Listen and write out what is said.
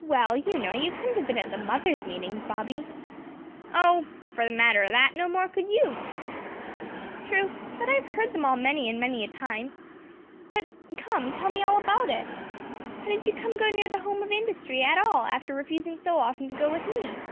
"Well, you know, you couldn't have been at the mothers' meetings, Bobby." "Oh! for the matter o' that, no more could you." "True, but I've heard of them all many and many a time; but come, tell me all about it. How did you come to go near the Home of Industry at all after refusing so often to go with me?"